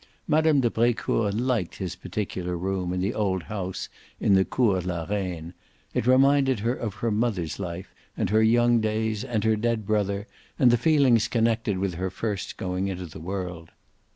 Mme. de Brecourt liked his particular room in the old house in the Cours la Reine; it reminded her of her mother's life and her young days and her dead brother and the feelings connected with her first going into the world.